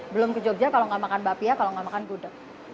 belum ke jogja kalau nggak makan bapia kalau nggak makan gudeg